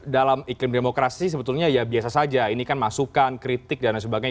dalam iklim demokrasi sebetulnya ya biasa saja ini kan masukan kritik dan sebagainya